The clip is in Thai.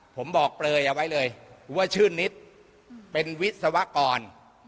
ผมบอกเปลยเอาไว้เลยว่าชื่อนิดเป็นวิศวกร